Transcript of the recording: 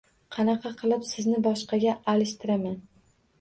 Qanaqa qilib sizni boshqasiga alishtiraman.